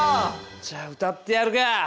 じゃあ歌ってやるか！